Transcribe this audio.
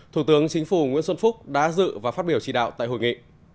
thủ tướng chính phủ nguyễn xuân phúc đã dự và phát biểu chỉ đạo tại hội nghị